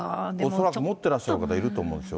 恐らく持ってらっしゃる方はいると思うんですよ。